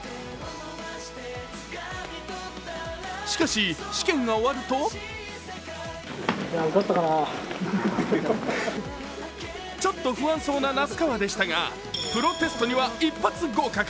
しかし、試験が終わるとちょっと不安そうな那須川でしたがプロテストには一発合格。